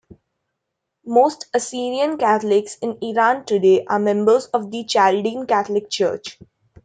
Most Assyrian Catholics in Iran today are members of the Chaldean Catholic Church.